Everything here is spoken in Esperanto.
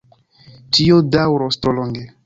Tio daŭros tro longe!